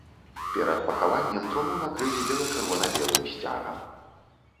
Перад пахаваннем труну накрылі бела-чырвона-белым сцягам.